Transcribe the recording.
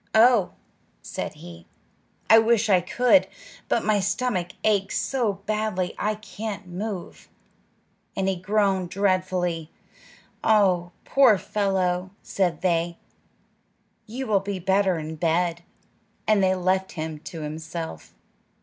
"Oh," said he, "I wish I could; but my stomach aches so badly I can't move!" And he groaned dreadfully. "Ah, poor fellow!" said they; "you will be better in bed;" and they left him to himself.